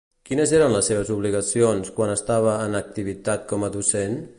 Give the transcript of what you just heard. Quines eren les seves obligacions, quan estava en activitat com a docent?